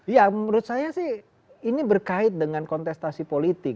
ya menurut saya sih ini berkait dengan kontestasi politik